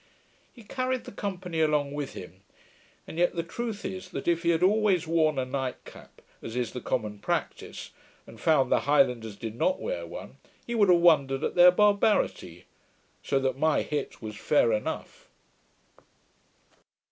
He carried the company along with him: and yet the truth is, that if he had always worn a night cap, as is the common practice, and found the Highlanders did not wear one, he would have wondered at their barbarity; so that my hit was fair enough.